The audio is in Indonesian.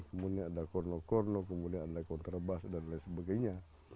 kemudian ada korno korno kemudian ada kontra bus dan lain sebagainya